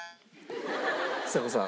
ちさ子さん。